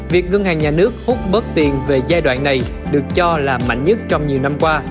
việc ngân hàng nhà nước hút tiền về giai đoạn này được cho là mạnh nhất trong nhiều năm qua